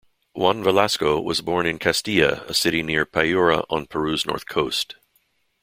Juan Velasco was born in Castilla, a city near Piura on Peru's north coast.